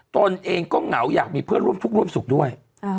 ตนเองก็เหงาอยากมีเพื่อนร่วมทุกข์ร่วมสุขด้วย